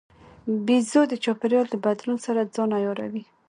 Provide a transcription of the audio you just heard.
بیزو د چاپېریال د بدلون سره ځان عیاروي.